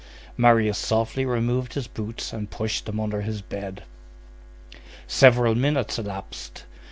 Marius softly removed his boots and pushed them under his bed. Several minutes elapsed.